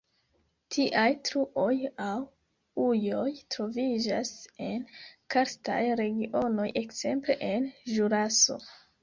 Tiaj truoj aŭ ujoj troviĝas en karstaj regionoj, ekzemple en Ĵuraso.